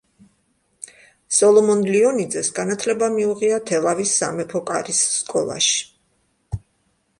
სოლომონ ლიონიძეს განათლება მიუღია თელავის სამეფო კარის სკოლაში.